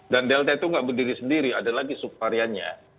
dan delta itu tidak berdiri sendiri ada lagi subvariannya